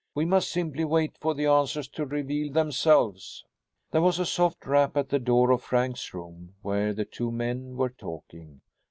"We must simply wait for the answers to reveal themselves." There was a soft rap at the door of Frank's room, where the two men were talking.